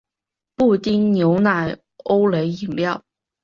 布丁牛奶欧蕾饮料